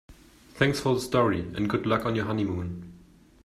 Thanks for the story and good luck on your honeymoon.